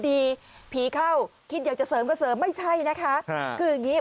ผีเข้าคิดอยากจะเสริมก็เสริมไม่ใช่นะคะคืออย่างงี้